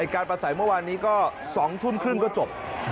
การประสาไปเมื่อวานนี้ก็๒๕ตุ้นก็จบ